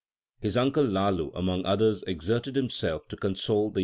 His uncle Lalu among others exerted himself to console the young prophet.